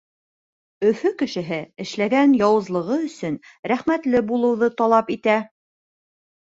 Өфө кешеһе эшләгән яуызлығы өсөн рәхмәтле булыуҙы талап итә.